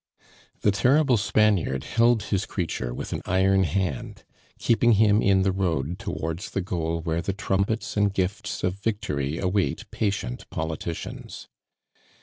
The terrible Spaniard held his creature with an iron hand, keeping him in the road towards the goal where the trumpets and gifts of victory await patient politicians.